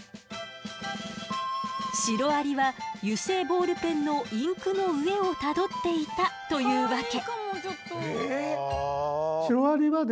シロアリは油性ボールペンのインクの上をたどっていたというわけ。